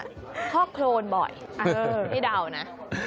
ดิฉันว่าพ่อโครนบ่อยไม่เดานะ